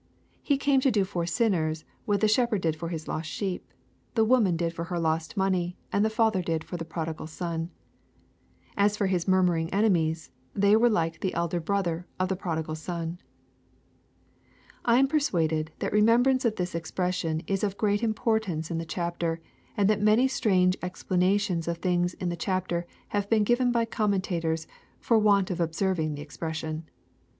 He came to do for sinners what the shepherd did for his lost sheep, the woman did for her lost money, and the father did for the prodigal son. As for His murmuring eAemies, they were like the elder brother of the prodigal son. I am persuaded that remembrance of this expression is of great importance in the chapter, and that many strange expla nations of things in the chapter have been given by commenta tors, tor want of observing the expression.